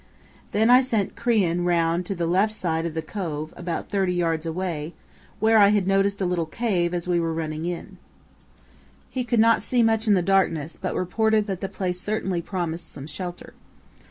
Then I sent Crean round to the left side of the cove, about thirty yards away, where I had noticed a little cave as we were running in. He could not see much in the darkness, but reported that the place certainly promised some shelter.